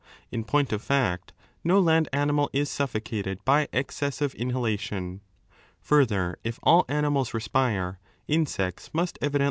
In point of fact, no land animal is suffocated by excessive inhalation. t^nrther, if all animals respire, insects must evidently ^ ipire also.